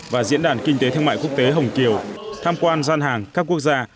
và diễn đàn kinh tế thương mại quốc tế hồng kiều tham quan gian hàng các quốc gia